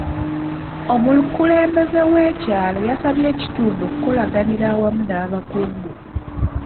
Omukulembeze w'ekyalo yasabye ekitundu okukolaganira awamu n'abakungu.